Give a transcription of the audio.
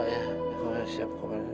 kamu harus siapkan diri kamu